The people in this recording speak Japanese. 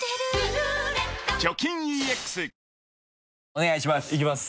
お願いします。